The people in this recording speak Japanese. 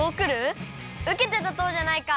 うけてたとうじゃないか！